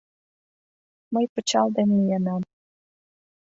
«Мый пычал ден миенам